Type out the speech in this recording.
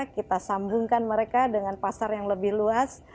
kita sambungkan mereka dengan pasar yang lebih luas